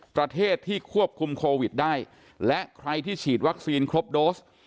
ประเทศที่ควบคุมโควิดได้และใครที่ฉีดวัคซีนครบโดส